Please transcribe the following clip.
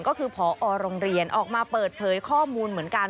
ก็คือพอโรงเรียนออกมาเปิดเผยข้อมูลเหมือนกัน